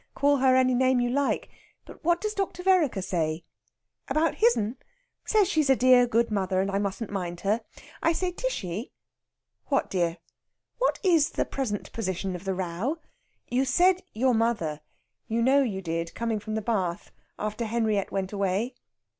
Call her any name you like. But what does Dr. Vereker say?" "About his'n? Says she's a dear good mother, and I mustn't mind her. I say, Tishy!" "What, dear?" "What is the present position of the row? You said your mother. You know you did coming from the bath after Henriette went away."